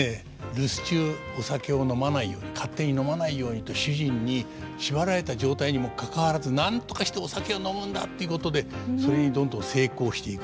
留守中お酒を飲まないように勝手に飲まないようにと主人に縛られた状態にもかかわらずなんとかしてお酒を飲むんだということでそれにどんどん成功していく。